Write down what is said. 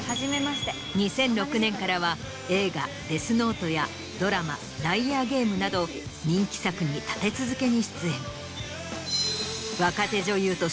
２００６年からは映画『デスノート』やドラマ『ライアーゲーム』など人気作に立て続けに出演。